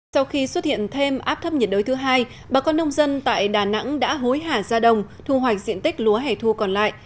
sau khi xuất hiện thêm áp thấp nhiệt đới thứ hai bà con nông dân tại đà nẵng đã hối hả ra đồng thu hoạch diện tích lúa hẻ thu còn lại